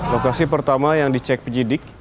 lokasi pertama yang dicek penyidik